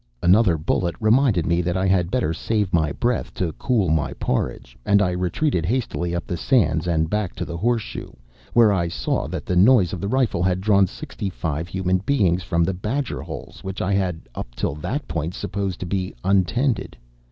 Another bullet reminded me that I had better save my breath to cool my porridge; and I retreated hastily up the sands and back to the horseshoe, where I saw that the noise of the rifle had drawn sixty five human beings from the badger holes which I had up till that point supposed to be untenanted.